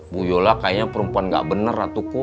bu yola kayaknya perempuan gak bener ratuku